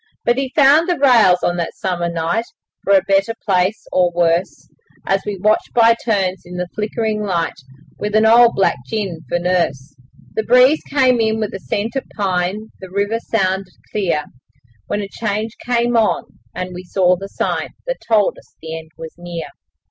But he found the rails on that summer night For a better place or worse, As we watched by turns in the flickering light With an old black gin for nurse. The breeze came in with the scent of pine, The river sounded clear, When a change came on, and we saw the sign That told us the end was near.